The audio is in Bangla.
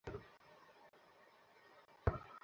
শুধু, সবসময় সতর্ক থাকো।